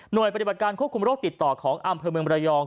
โดยปฏิบัติการควบคุมโรคติดต่อของอำเภอเมืองระยอง